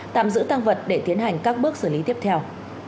tạm giữ tăng vật để tiến hành các bước xử lý tiếp theo